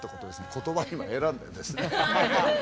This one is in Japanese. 言葉を今選んでるんですね。